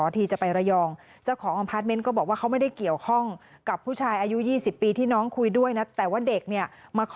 แต่ว่าเด็กมาขอให้ไปนะ